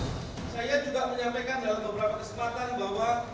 yang kedua saya juga menyampaikan dalam beberapa kesempatan bahwa saya mendesak bapak presiden